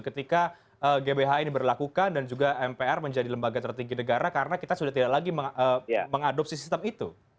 ketika gbhn diberlakukan dan juga mpr menjadi lembaga tertinggi negara karena kita sudah tidak lagi mengadopsi sistem itu